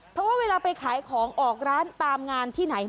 เพราะว่าเวลาไปขายของออกร้านตามงานที่ไหน